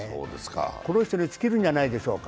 この人に尽きるんじゃないでしょうか。